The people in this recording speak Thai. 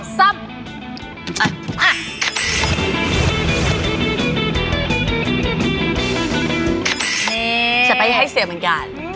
สักไปให้เสียเหมือนกัน